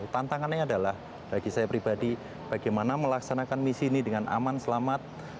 tantangannya adalah bagi saya pribadi bagaimana melaksanakan misi ini dengan aman selamat